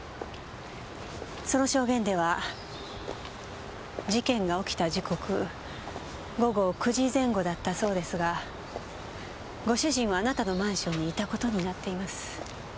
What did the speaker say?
その証言では事件が起きた時刻午後９時前後だったそうですがご主人はあなたのマンションにいた事になっています。